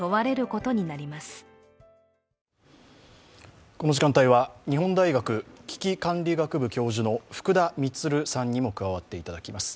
この時間帯は、日本大学危機管理学部教授の福田充さんにも加わっていただきます。